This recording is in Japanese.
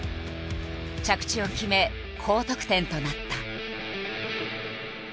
着地を決め高得点となった。